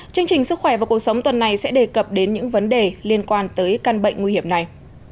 chương trình sức khỏe và cuộc sống tuần này sẽ đề cập đến những vấn đề liên quan tới căn bệnh nguy hiểm này